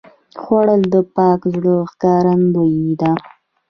خوړل د پاک زړه ښکارندویي ده